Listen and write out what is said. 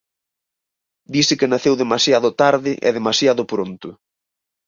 Dise que naceu demasiado tarde e demasiado pronto.